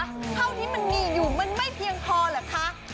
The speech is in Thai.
เท่าที่มันมีอยู่มันไม่เพียงพอเหรอคะ